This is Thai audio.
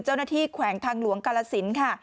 เจ้าหน้าที่แขวงทางหลวงกระศิลป์ค่ะ